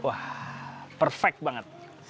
wah perfect banget